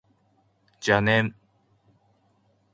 邪念